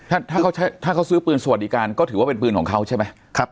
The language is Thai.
ถ้าเขาถ้าเขาซื้อปืนสวัสดิการก็ถือว่าเป็นปืนของเขาใช่ไหมครับ